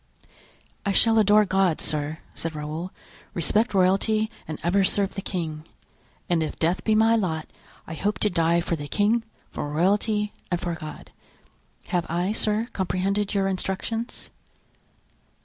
"I shall adore God, sir," said Raoul, "respect royalty and ever serve the king. And if death be my lot, I hope to die for the king, for royalty and for God. Have I, sir, comprehended your instructions?"